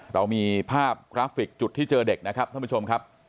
เรามีภาพกราฟิกจุดที่เจอเด็กนะครับท่านผู้ชมครับ